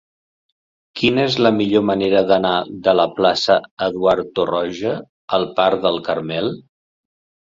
Quina és la millor manera d'anar de la plaça d'Eduard Torroja al parc del Carmel?